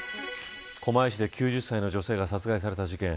狛江市で９０歳の女性が殺害された事件。